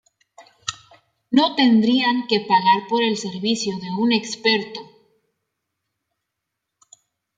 No tendrían que pagar por el servicio de un experto.